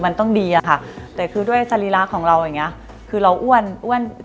มันต้องดีค่ะแต่คือด้วยสลีระของเราอย่างนี้คือเรา้วน